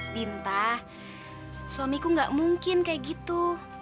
dinta suamiku nggak mungkin kayak gitu